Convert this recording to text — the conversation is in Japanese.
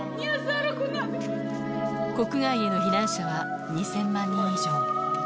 国外への避難者は２０００万人以上。